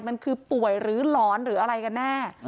มันคือป่วยหรือหลอนหรืออะไรกันแน่